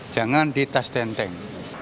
jangan di tas tenteng